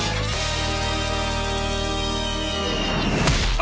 あ！